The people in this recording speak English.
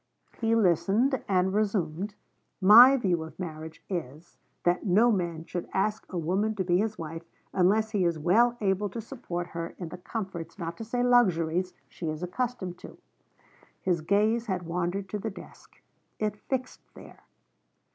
He listened, and resumed: 'My view of marriage is, that no man should ask a woman to be his wife unless he is well able to support her in the comforts, not to say luxuries, she is accustomed to.' His gaze had wandered to the desk; it fixed there.